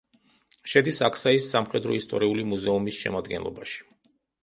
შედის აქსაის სამხედრო-ისტორიული მუზეუმის შემადგენლობაში.